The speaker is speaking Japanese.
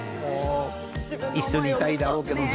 一緒にいたいだろうけどね。